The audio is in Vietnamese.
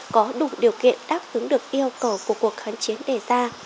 có đủ điều kiện đáp ứng được yêu cầu của cuộc kháng chiến đề ra